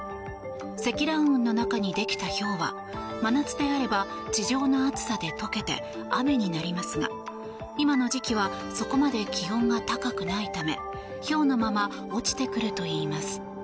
積乱雲の中にできたひょうは真夏であれば地上の暑さで解けて雨になりますが今の時期はそこまで気温が高くないためひょうのまま落ちてくるといいます。